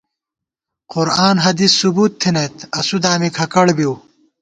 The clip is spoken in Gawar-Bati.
قرآن حدیث ثُبُوت تھنَئیت ، اسُو دامی کھکَڑ بِؤ